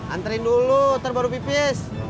anterin dulu ntar baru pipis